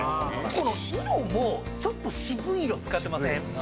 この色もちょっと渋い色使ってません？